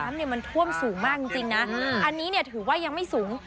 เนี่ยมันท่วมสูงมากจริงนะอันนี้เนี่ยถือว่ายังไม่สูง